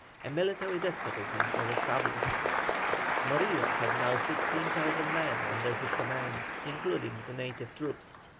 A military despotism was established. Morillo had now 16,000 men under his command, including the native troops.